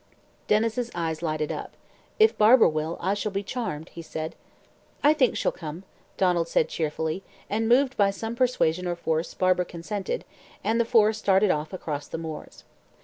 Denys' eyes lighted up. "If Barbara will, I shall be charmed," he said. "I think she'll come," Donald said cheerfully; and moved by some persuasion or force Barbara consented, and the four started off across the moors.